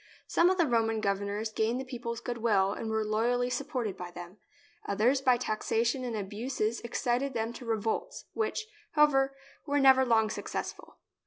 Some of the Roman governors gained the people's goodwill and were loyally supported by them; others by taxation and abuses excited them to re volts, which, however, were never long successful.